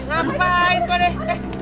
ngapain kok deh